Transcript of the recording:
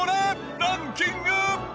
ランキング。